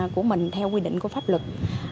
của mình theo quy định của pháp lực